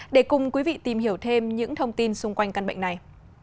để cùng quý vị tìm hiểu thêm những thông tin xung quanh căn bệnh này